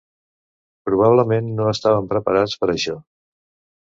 Probablement no estàvem preparats per a això.